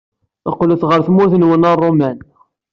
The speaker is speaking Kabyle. Qqlet ɣer tmurt-nwen a Ṛṛuman!